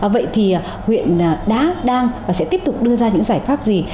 vậy thì huyện đã đang và sẽ tiếp tục đưa ra những giải pháp gì